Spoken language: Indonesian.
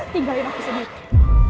tinggalin aku sendiri